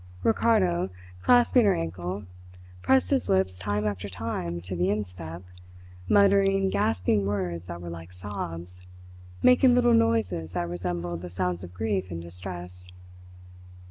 Ricardo, clasping her ankle, pressed his lips time after time to the instep, muttering gasping words that were like sobs, making little noises that resembled the sounds of grief and distress.